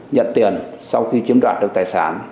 nhận tiền sau khi chiếm đoạt được tài sản